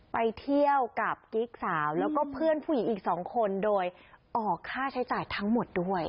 ไปเที่ยวกับกิ๊กสาวแล้วก็เพื่อนผู้หญิงอีก๒คนโดยออกค่าใช้จ่ายทั้งหมดด้วย